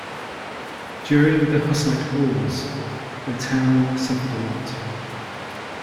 During the Hussite wars the town suffered a lot.